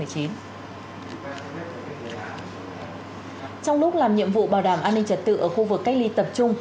trong lúc làm nhiệm vụ bảo đảm an ninh trật tự ở khu vực cách ly tập trung